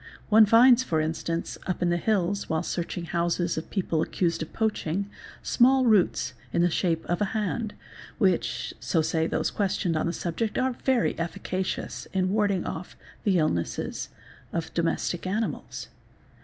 One finds for instance, up in the hills, while searching houses of people accused of poaching, small roots in the shape of a hand which, so say those questioned on the subject, are very efficacious in warding off the illnesses of domestic animals.